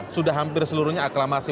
sudah hampir seluruhnya aklamasi